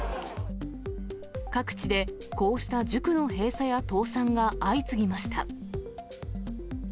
各地でこうした塾の閉鎖や倒産が相次ぎました。